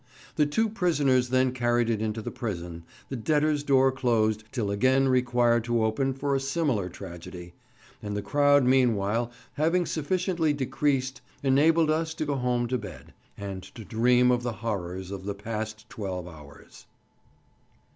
The two prisoners then carried it into the prison, the debtors' door closed till again required to open for a similar tragedy, and the crowd meanwhile having sufficiently decreased, enabled us to go home to bed, and to dream of the horrors of the past twelve hours.